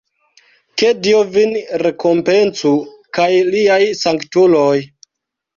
Ke Dio vin rekompencu kaj liaj sanktuloj!